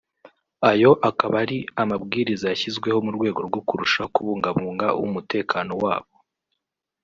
ayo akaba ari amabwiriza yashyizweho mu rwego rwo kurushaho kubungabunga umutekano wabo